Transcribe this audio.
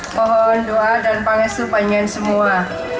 mohon doa dan panggilan semua